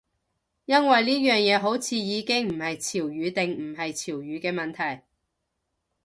因為呢樣嘢好似已經唔係潮語定唔係潮語嘅問題